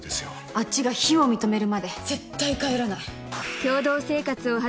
あっちが非を認めるまで絶対帰らない！